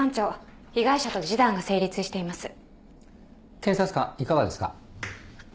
検察官いかがですか？